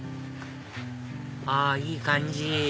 あいい感じ！